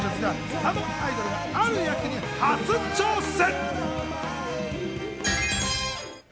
あのアイドルが、ある役に初挑戦。